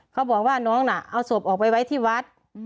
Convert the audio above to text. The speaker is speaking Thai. เขาบอกว่าน้องน่ะเอาศพออกไปไว้ที่วัด